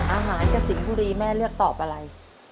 อาหารจากสิงห์บุรีแม่เลือกตอบอะไร